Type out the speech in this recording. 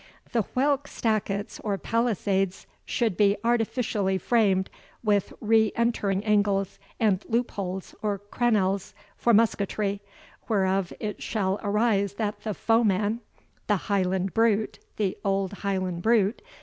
"The whilk stackets, or palisades, should be artificially framed with re entering angles and loop holes, or crenelles, for musketry, whereof it shall arise that the foeman The Highland brute! the old Highland brute!